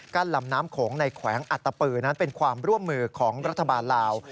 ลำน้ำโขงในแขวงอัตตปือนั้นเป็นความร่วมมือของรัฐบาลลาว